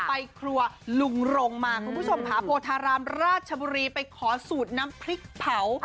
ไปครัวลุงรงมาคุณผู้ชมผาโพธารามราชบุรีไปขอสูตรน้ำพริกเผา